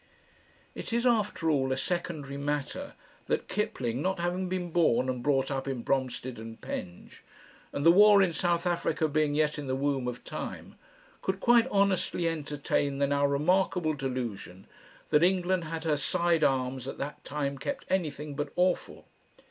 It is after all a secondary matter that Kipling, not having been born and brought up in Bromstead and Penge, and the war in South Africa being yet in the womb of time, could quite honestly entertain the now remarkable delusion that England had her side arms at that time kept anything but "awful."